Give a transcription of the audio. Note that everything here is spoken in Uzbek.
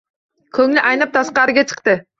Ko`ngli aynib tashqariga chiqdi